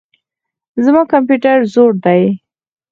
زما کمپيوټر زوړ دئ.